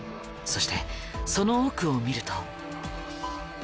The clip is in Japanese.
そしてその奥を見ると。